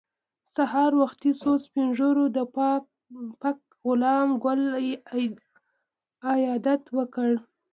سهار وختي څو سپین ږیرو د پک غلام ګل عیادت وکړ.